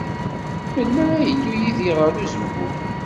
Melmi ara yeddu Yidir ɣer uzemmur?